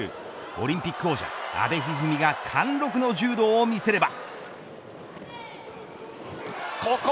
オリンピック王者、阿部一二三が貫禄の柔道を見せれば。